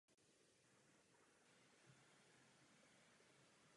Hlavní činnost jednotky se zaměřovala na boj proti terorismu.